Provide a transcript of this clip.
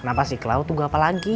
kenapa sih klau tunggu apa lagi